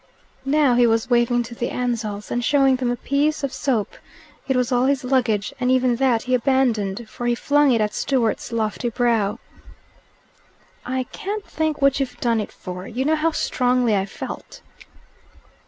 Now he was waving to the Ansells, and showing them a piece of soap: it was all his luggage, and even that he abandoned, for he flung it at Stewart's lofty brow. "I can't think what you've done it for. You know how strongly I felt."